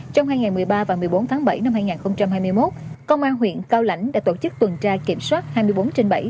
trong hai ngày một mươi ba và một mươi bốn tháng bảy năm hai nghìn hai mươi một công an huyện cao lãnh đã tổ chức tuần tra kiểm soát hai mươi bốn trên bảy